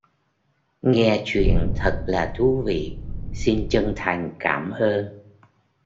Nghe truyện thật là thú vị xin chân thành cảm ơn